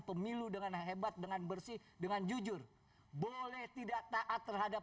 pemilu dengan hebat dengan bersih dengan jujur boleh tidak taat terhadap